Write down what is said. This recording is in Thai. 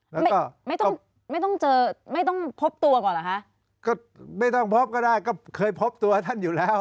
ไม่ไม่ต้องไม่ต้องเจอไม่ต้องพบตัวก่อนเหรอคะก็ไม่ต้องพบก็ได้ก็เคยพบตัวท่านอยู่แล้ว